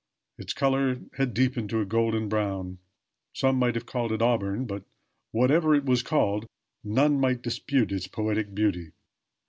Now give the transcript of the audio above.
Its color had deepened to a golden brown some might have called it auburn; but whatever it was called none might dispute its poetic beauty.